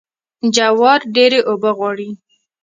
جوار ډیرې اوبه غواړي.